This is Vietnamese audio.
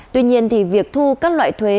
tuy nhiên thì việc thu các loại thuế